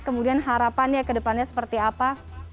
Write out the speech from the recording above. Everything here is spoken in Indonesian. kemudian harapannya ke depannya seperti apa